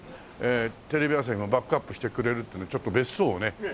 テレビ朝日もバックアップしてくれるっていうんでちょっと別荘をね。